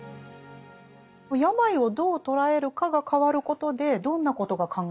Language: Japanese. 病をどう捉えるかが変わることでどんなことが考えられるんですか？